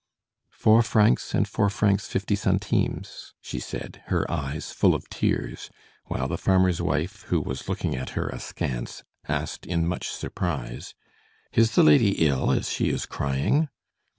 "Four francs and four francs fifty centimes," she said, her eyes full of tears, while the farmer's wife, who was looking at her askance, asked in much surprise: "Is the lady ill, as she is crying?"